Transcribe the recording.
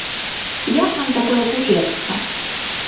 Як вам такое суседства?